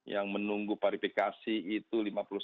yang menunggu verifikasi itu